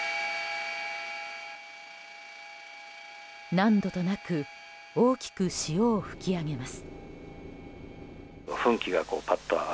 何度となく大きく潮を吹き上げます。